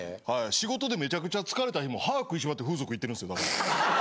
仕事でめちゃくちゃ疲れた日も歯食いしばって風俗行ってるんすよだから。